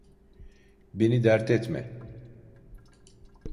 Beni dert etme.